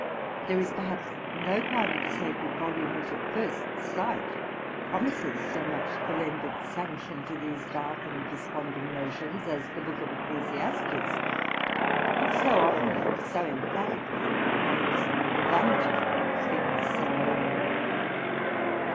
There is, perhaps, no part of the sacred volume which at first sight promises so much to lend its sanction to these dark and desponding notions as the book of Ecclesiastes, which so often, and so emphatically, proclaims the vanity of things sublunary.